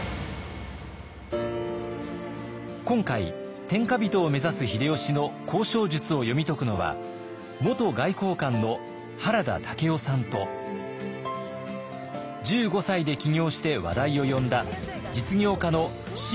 今回天下人を目指す秀吉の交渉術を読み解くのは元外交官の原田武夫さんと１５歳で起業して話題を呼んだ実業家の椎木里佳さんです。